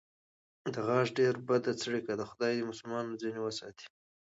د غاښ ډېره بده څړیکه ده، خدای دې مسلمان ورځنې ساتي.